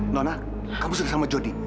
nona kamu sering sama jody